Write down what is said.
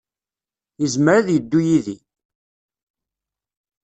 Yezmer ad yeddu yid-i.